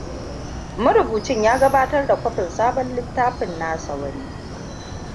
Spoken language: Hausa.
Marubucin ya gabatar da kwafin sabon littafin nasa wa ni.